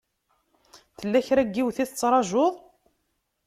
Tella kra n yiwet i tettṛajuḍ?